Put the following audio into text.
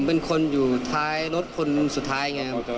มันเป็นคนอยู่ช่วยคุณท้ายต้น